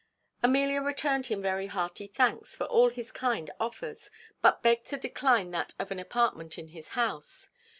Amelia returned him very hearty thanks for all his kind offers, but begged to decline that of an apartment in his house.